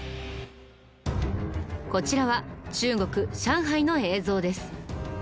こちらは中国上海の映像です。